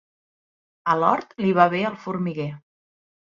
A l'hort li va bé el formiguer.